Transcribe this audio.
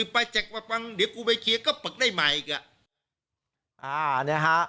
ไปจักรปังเดี๋ยวกูไปเคลียร์ก็ปรึกได้ใหม่อีก